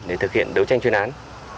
điều tranh chuyên án